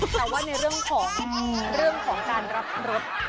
แต่ว่าในเรื่องของการรับรส